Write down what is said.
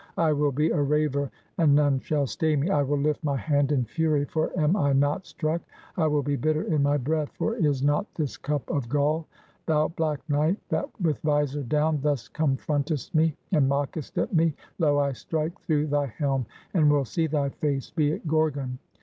I will be a raver, and none shall stay me! I will lift my hand in fury, for am I not struck? I will be bitter in my breath, for is not this cup of gall? Thou Black Knight, that with visor down, thus confrontest me, and mockest at me; Lo! I strike through thy helm, and will see thy face, be it Gorgon!